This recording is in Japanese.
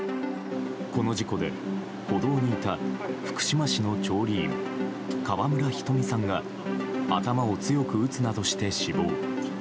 この事故で歩道にいた福島市の調理員川村ひとみさんが頭を強く打つなどして死亡。